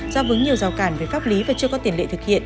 do vững nhiều rào cản về pháp lý và chưa có tiền lệ thực hiện